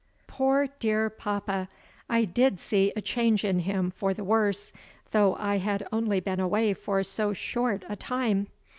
Poor dear papa! I did see a change in him for the worse though I had only been away for so short a time.